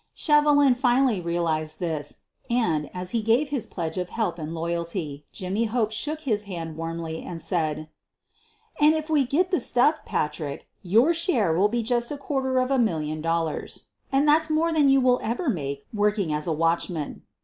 Shevelin finally realized this, and, as he gave his pledge of help and loyalty, Jimmy Hope shook his hand warmly and said: '' And if we get the stuff, Patrick, your share will be just a quarter of a million dollars. And that's more than you will ever make working as a watch > man."